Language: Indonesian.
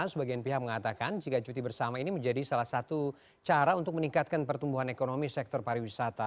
sebagian pihak mengatakan jika cuti bersama ini menjadi salah satu cara untuk meningkatkan pertumbuhan ekonomi sektor pariwisata